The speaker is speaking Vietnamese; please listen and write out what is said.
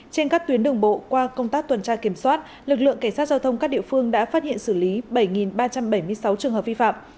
trên các tuyến đường bộ qua công tác tuần tra kiểm soát lực lượng cảnh sát giao thông các địa phương đã phát hiện xử lý bảy ba trăm bảy mươi sáu trường hợp vi phạm